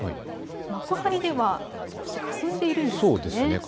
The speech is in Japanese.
幕張では少しかすんでいるんです。